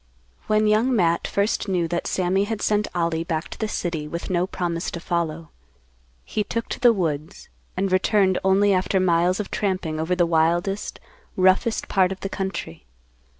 When Young Matt first knew that Sammy had sent Ollie back to the city with no promise to follow, he took to the woods, and returned only after miles of tramping over the wildest, roughest part of the country.